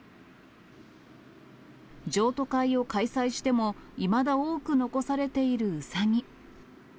譲渡会を開催しても、いまだ多く残されているうさぎ。